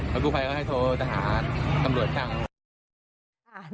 แล้วผู้ภัยก็จะโทรหาตำรวจช่าง